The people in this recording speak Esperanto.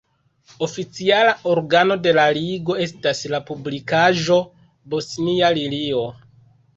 Oficiala organo de la Ligo estas la publikaĵo "Bosnia Lilio".